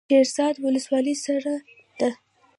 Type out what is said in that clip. شیرزاد ولسوالۍ سړه ده؟